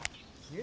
え？